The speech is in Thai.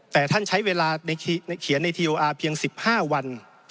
แต่ท่านใช้เวลาเขียนในทีโออาร์เพียง๑๕วัน